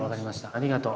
ありがとう。